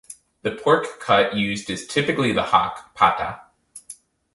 The pork cut used is typically the hock ("pata").